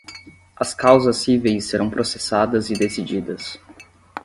As causas cíveis serão processadas e decididas